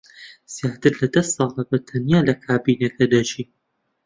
زیاتر لە دە ساڵە بەتەنیا لە کابینەکە دەژی.